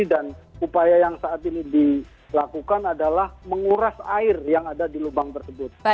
upaya yang saat ini dilakukan adalah menguras air yang ada di lubang tersebut